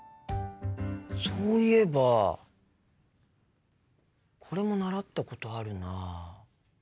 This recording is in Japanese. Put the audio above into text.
そういえばこれも習ったことあるな。